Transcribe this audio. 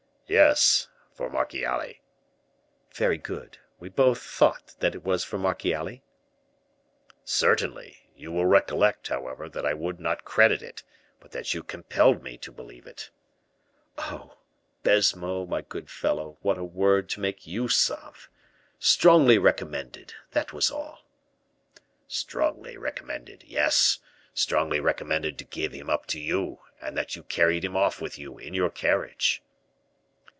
"Yes, for Marchiali." "Very good! we both thought that it was for Marchiali?" "Certainly; you will recollect, however, that I would not credit it, but that you compelled me to believe it." "Oh! Baisemeaux, my good fellow, what a word to make use of! strongly recommended, that was all." "Strongly recommended, yes; strongly recommended to give him up to you; and that you carried him off with you in your carriage."